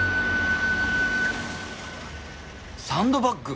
サンドバッグ？